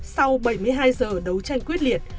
sau bảy mươi hai giờ đấu tranh quyết liệt